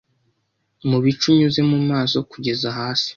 Mubice unyuze mumaso kugeza hasi